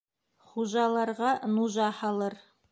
Хужаларға нужа һалыр.